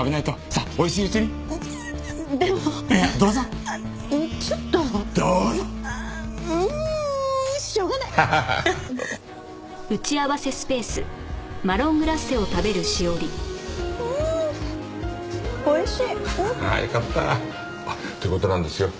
あっという事なんですよ。